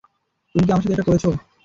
তুমি কি আমার সাথে এটা করেছ?